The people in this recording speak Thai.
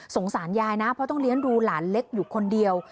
สารยายนะเพราะต้องเลี้ยงดูหลานเล็กอยู่คนเดียว